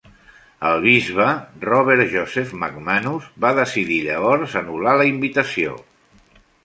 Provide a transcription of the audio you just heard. El bisbe Robert Joseph McManus va decidir llavors anul·lar la invitació.